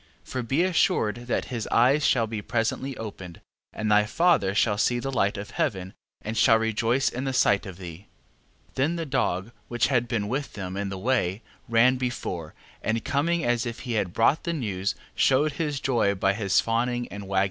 For be assured that his eyes shall be presently opened, and thy father shall see the light of heaven, and shall rejoice in the sight of thee. 11:9. Then the dog, which had been with them in the way, ran before, and coming as if he had brought the news, shewed his joy by his fawning and wagging his tail.